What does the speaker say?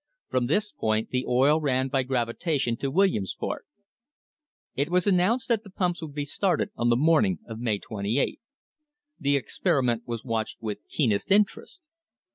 From this point the oil ran by gravitation to Williamsport. It was announced that the pumps would be started on the morning of May 28. The experiment was watched with keenest interest.